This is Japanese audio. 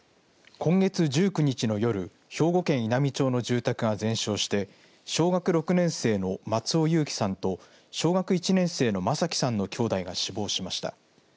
今月１９日の夜兵庫県稲美町の住宅が全焼して小学６年生の松尾侑城さんと小学１年生の眞輝さんの兄弟が死亡しました。